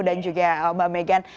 dan juga mbak megan